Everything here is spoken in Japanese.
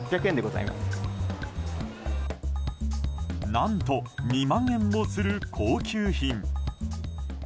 何と２万円もする高級品。